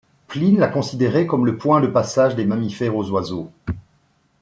Pline la considérait comme le point de passage des mammifères aux oiseaux.